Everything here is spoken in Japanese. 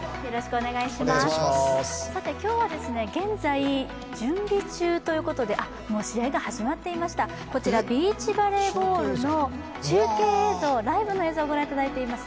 今日はですね、現在準備中ということで、もう試合が始まっていました、こちら、ビーチバレーボールの中継映像、ライブの映像をご覧いただいています。